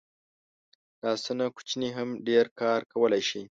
لاسونه کوچني هم ډېر کار کولی شي